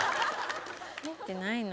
入ってないのよ。